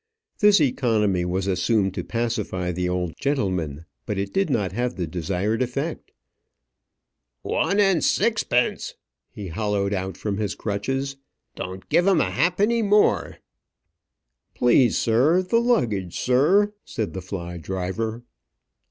This economy was assumed to pacify the old gentleman; but it did not have the desired effect. "One and sixpence," he holloed out from his crutches. "Don't give him a halfpenny more." "Please, sir, the luggage, sir," said the fly driver.